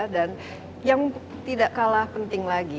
dan yang tidak kalah penting lagi